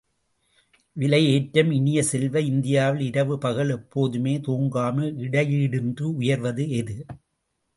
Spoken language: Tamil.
விலை ஏற்றம் இனிய செல்வ, இந்தியாவில் இரவு பகல் எப்போதுமே தூங்காமல் இடையீடின்றி உயர்வது எது?